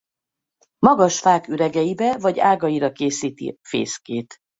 Magas fák üregeibe vagy ágaira készíti fészkét.